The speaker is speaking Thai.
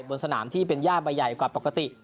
บนสนามที่เป็นย่าใบใหญ่กว่าปกติ